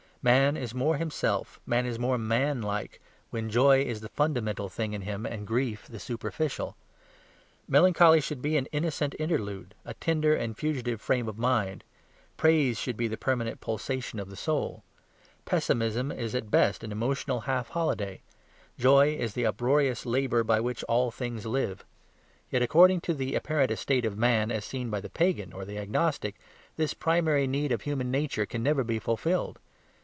Man is more himself, man is more manlike, when joy is the fundamental thing in him, and grief the superficial. Melancholy should be an innocent interlude, a tender and fugitive frame of mind; praise should be the permanent pulsation of the soul. Pessimism is at best an emotional half holiday; joy is the uproarious labour by which all things live. Yet, according to the apparent estate of man as seen by the pagan or the agnostic, this primary need of human nature can never be fulfilled.